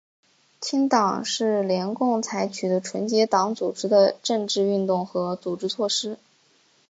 清党是联共采取的纯洁党组织的政治运动和组织措施。